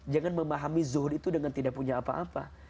jangan memahami zuhud itu dengan tidak punya apa apa